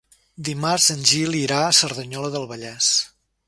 Dimarts en Gil irà a Cerdanyola del Vallès.